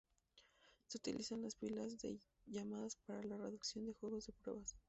Se utiliza las pilas de llamadas para la reducción del juego de pruebas.